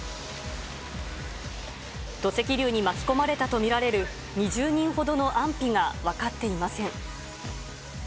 土石流に巻き込まれたと見られる２０人ほどの安否が分かっていません。